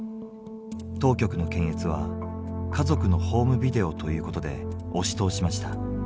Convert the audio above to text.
当局の検閲は家族のホームビデオということで押し通しました。